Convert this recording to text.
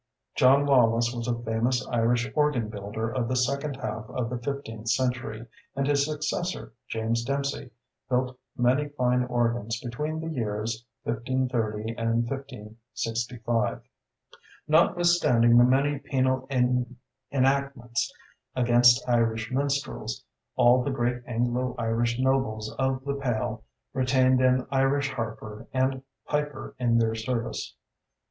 John Lawless was a famous Irish organ builder of the second half of the fifteenth century, and his successor, James Dempsey, built many fine organs between the years 1530 and 1565. Notwithstanding the many penal enactments against Irish minstrels, all the great Anglo Irish nobles of the Pale retained an Irish harper and piper in their service.